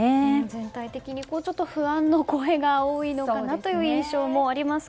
全体的に不安の声が多いのかなという印象もあります